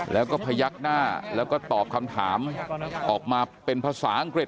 แล้วก็พยักหน้าแล้วก็ตอบคำถามออกมาเป็นภาษาอังกฤษ